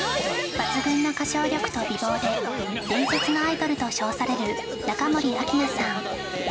抜群の歌唱力と美ぼうで伝説のアイドルと称される中森明菜さん